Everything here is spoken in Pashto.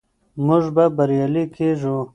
موږ به بریالي کیږو.